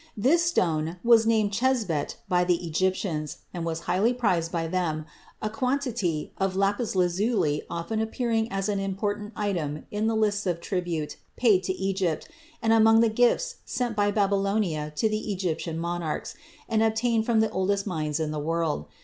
This stone was named chesbet by the Egyptians, and was highly prized by them, a quantity of lapis lazuli often appearing as an important item in the lists of tribute paid to Egypt and among the gifts sent by Babylonia to the Egyptian monarchs, and obtained from the oldest mines in the world.